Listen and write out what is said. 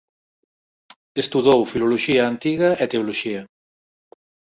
Estudou filoloxía antiga e teoloxía.